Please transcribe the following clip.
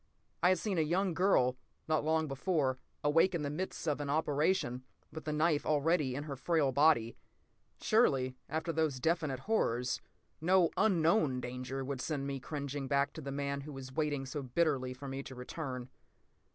I had seen a young girl, not long before, awake in the midst of an operation, with the knife already in her frail body. Surely, after those definite horrors, no unknown danger would send me cringing back to the man who was waiting so bitterly for me to return.